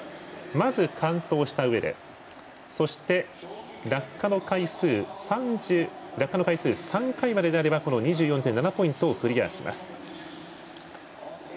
まず完登したうえでそして、落下の回数３回までであれば２４．７ポイントをクリアします。